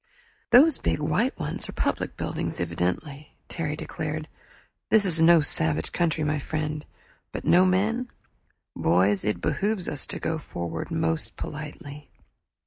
"Those big white ones are public buildings evidently," Terry declared. "This is no savage country, my friend. But no men? Boys, it behooves us to go forward most politely."